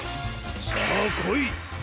さあこい！